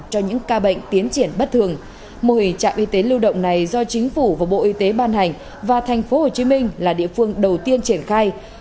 mô hình trạm y tế lưu động này do chính phủ và bộ y tế ban hành và tp hcm là địa phương đầu tiên triển khai